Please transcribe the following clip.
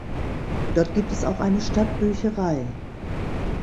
Dort gibt es auch eine Stadtbücherei.